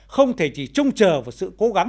không thể chỉ trông chờ vào sự cố gắng